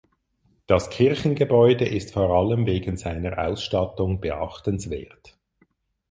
Das Kirchengebäude ist vor allem wegen seiner Ausstattung beachtenswert.